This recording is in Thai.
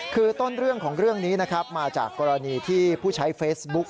คือต้นเรื่องของเรื่องนี้นะครับมาจากกรณีที่ผู้ใช้เฟซบุ๊ก